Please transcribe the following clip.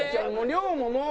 亮ももう。